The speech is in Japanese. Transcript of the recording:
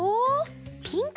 ピンク。